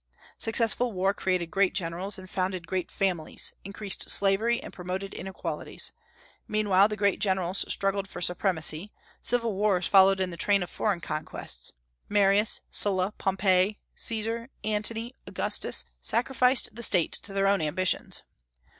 Successful war created great generals, and founded great families; increased slavery, and promoted inequalities. Meanwhile the great generals struggled for supremacy; civil wars followed in the train of foreign conquests; Marius, Sulla, Pompey, Caesar, Antony, Augustus, sacrificed the State to their own ambitions.